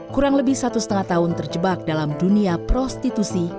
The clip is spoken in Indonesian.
kurang lebih satu setengah tahun terjebak dalam dunia prostitusi